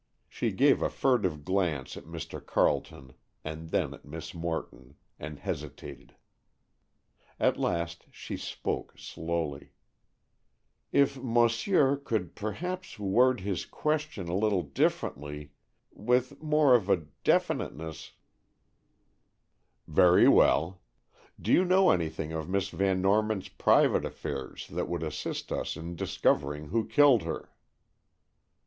She gave a furtive glance at Mr. Carleton and then at Miss Morton, and hesitated. At last she spoke, slowly: "If monsieur could perhaps word his question a little differently—with more of a definiteness——" "Very well; do you know anything of Miss Van Norman's private affairs that would assist us in discovering who killed her."